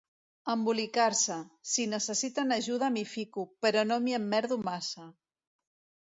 Embolicar-se: Si necessiten ajuda m'hi fico, però no m'hi emmerdo massa.